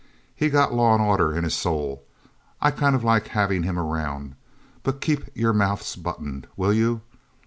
He's got law and order in his soul. I kind of like having him around... But keep your mouths buttoned, will you?